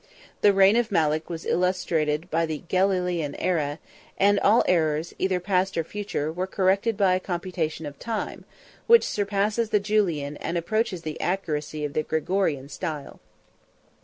The reign of Malek was illustrated by the Gelalaean aera; and all errors, either past or future, were corrected by a computation of time, which surpasses the Julian, and approaches the accuracy of the Gregorian, style.